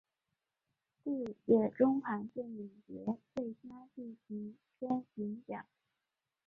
第五届中韩电影节最佳剧情片银奖。